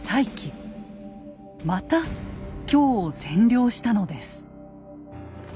また京を占領したのです。